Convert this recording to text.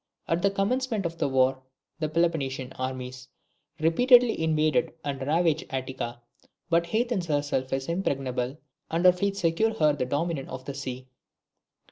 At the commencement of the war the Peloponnesian armies repeatedly invade and ravage Attica, but Athens herself is impregnable, and her fleets secure her the dominion of the sea.